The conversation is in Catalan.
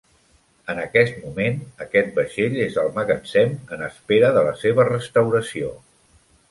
En aquest moment, aquest vaixell es al magatzem en espera de la seva restauració.